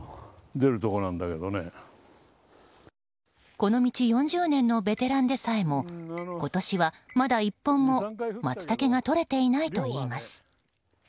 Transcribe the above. この道４０年のベテランでさえも今年はまだ１本もマツタケがとれていないといいます。